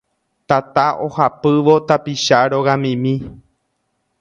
Tata ohapývo tapicha rogamimi